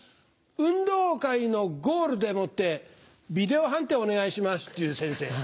運動会のゴールでもってビデオ判定お願いしますって言う先生。